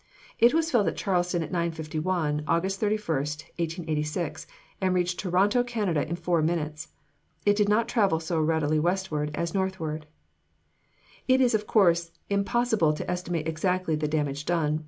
It was felt at Charleston at 9:51, August 31, 1886, and reached Toronto, Canada, in four minutes. It did not travel so readily westward as northward. It is of course impossible to estimate exactly the damage done.